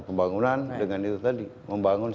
pembangunan dengan itu tadi membangun